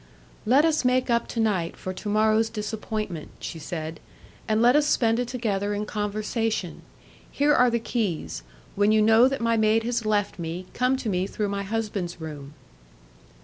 "Let us make up to night for to morrow's disappointment," she said, "and let us spend it together in conversation. Here are the keys; when you know that my maid has left me, come to me through my husband's room."